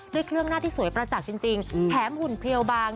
ด้วยเครื่องหน้าที่สวยประจักษ์จริงแถมหุ่นเพลียวบาง